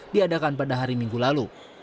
diadakan pada hari minggu lalu